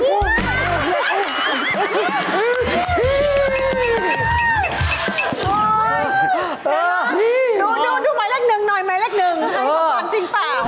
เห็นหรือดูไม้แรกนึงหน่อยดูไม้แรกนึงให้ประวัติจริงเปล่า